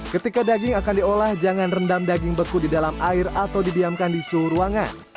ketika daging akan diolah jangan rendam daging beku di dalam air atau didiamkan di suhu ruangan